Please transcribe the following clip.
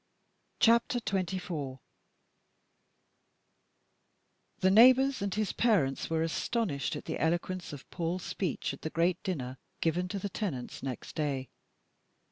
CHAPTER XXIV The neighbours and his parents were astonished at the eloquence of Paul's speech at the great dinner given to the tenants next day.